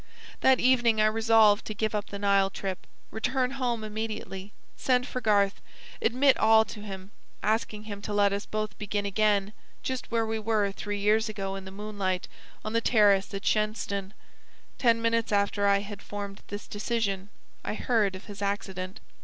That evening I resolved to give up the Nile trip, return home immediately, send for Garth, admit all to him, asking him to let us both begin again just where we were three years ago in the moonlight on the terrace at Shenstone. Ten minutes after I had formed this decision, I heard of his accident."